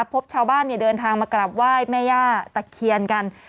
พบชาวบ้านเดินทางมากราบไหว้แม่ย่าตะเคียนกัน